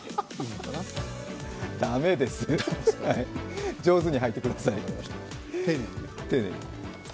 だめです、上手に履いてください。